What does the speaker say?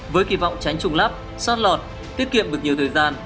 với kỳ vọng tránh trùng lắp sát lọt tiết kiệm được nhiều thời gian